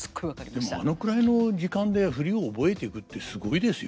でもあのくらいの時間で振りを覚えていくってすごいですよ。